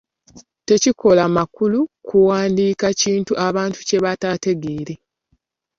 Tekikola makulu kuwandiika kintu abantu kye bataategeere.